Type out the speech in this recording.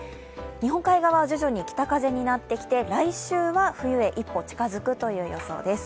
日本海側は徐々に北風になってきて来週は冬へ一歩近づくという予想です。